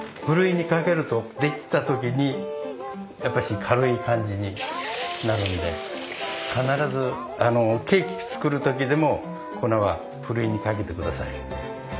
ふるいにかけるとできた時にやっぱし軽い感じになるんで必ずケーキ作る時でも粉はふるいにかけて下さい。